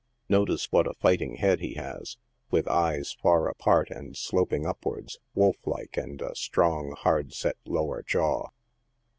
Notice what a fighting head he has, with eyes far apart and sloping upwards, wolf like, and a strong, hard set lower jaw.